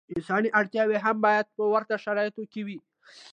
انساني اړتیاوې یې هم باید په ورته شرایطو کې وي.